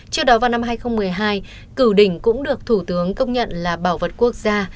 trước đó vào năm hai nghìn một mươi hai cửu đỉnh cũng được thủ tướng công nhận là bảo vật quốc gia